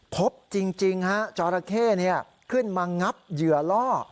พบจริงฮะจอราเข้ขึ้นมางับเหยื่อล่อ